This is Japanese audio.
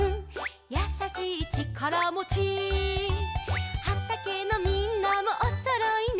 「やさしいちからもち」「はたけのみんなもおそろいね」